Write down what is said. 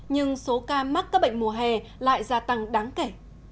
nhưng số ca mắc các bệnh mùa hè lại gia tăng đáng kể